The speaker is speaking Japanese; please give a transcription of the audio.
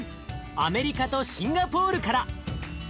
アメリカとシンガポールから。